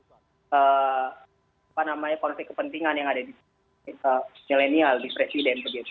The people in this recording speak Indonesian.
apa namanya konflik kepentingan yang ada di milenial di presiden